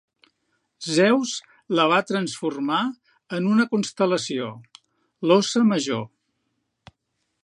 Zeus la va transformar en una constel·lació, l'Óssa Major.